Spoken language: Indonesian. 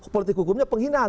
politik hukumnya penghinaan